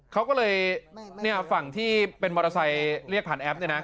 เขาก็เลยฝั่งที่เป็นมอเตอร์ไซค์เรียกผ่านแอปเนี่ยนะ